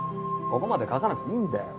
ここまで書かなくていいんだよ。